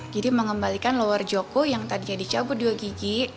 jadi mengembalikan lower joku yang tadi dicabut dua gigi